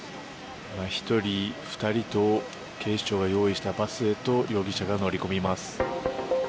１人、２人と警視庁が用意したバスへと容疑者が乗り込みます。